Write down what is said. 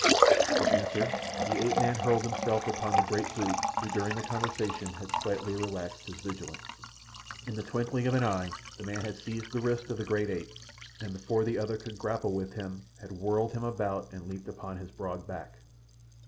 For answer the ape man hurled himself upon the great brute who during the conversation had slightly relaxed his vigilance. In the twinkling of an eye the man had seized the wrist of the great ape, and before the other could grapple with him had whirled him about and leaped upon his broad back.